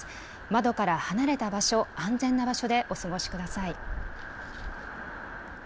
窓から離れた場所、安全な場所でお過ごしください。